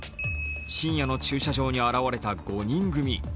深夜の駐車場に現れた５人組。